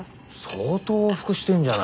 相当往復してんじゃない。